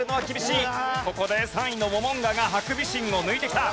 ここで３位のモモンガがハクビシンを抜いてきた。